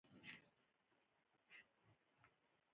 ماشومان په واورو کې لوبې کوي